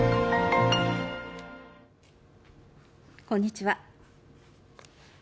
こんにちは。